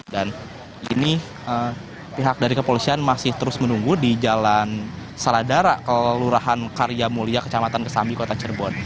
dan ini pihak dari kepolisian masih terus menunggu di jalan saladara kelurahan karya mulia kecamatan kesambi kota cirebon